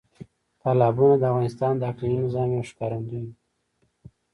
تالابونه د افغانستان د اقلیمي نظام یو ښکارندوی دی.